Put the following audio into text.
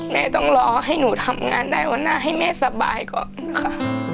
แม่ต้องรอให้หนูทำงานได้วันหน้าให้แม่สบายก่อนค่ะ